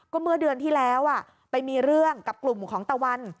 เมื่อเดือนที่แล้วไปมีเรื่องกับกลุ่มของตะวัน